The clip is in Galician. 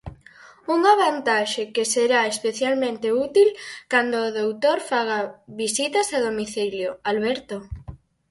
Unha vantaxe que será especialmente útil cando o doutor faga visitas a domicilio, Alberto...